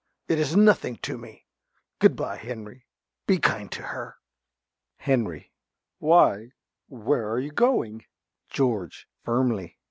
It is nothing to me. Good bye, Henry. Be kind to her. ~Henry.~ Why, where are you going? ~George~ (firmly).